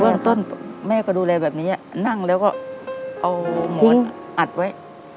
เรื่องต้นแม่ก็ดูแลแบบนี้นั่งแล้วก็เอาหมวดอัดไว้